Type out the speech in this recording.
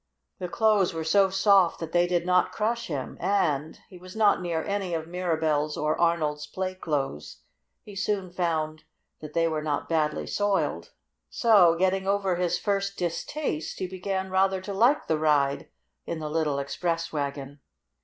The clothes were so soft that they did not crush him, and he was not near any of Mirabell's or Arnold's play clothes he soon found that they were not badly soiled. So, after getting over his first distaste, he began rather to like the ride in the little express wagon.